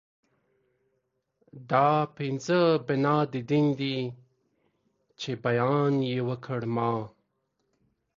دا پنځه بنا د دين دي چې بیان يې وکړ ما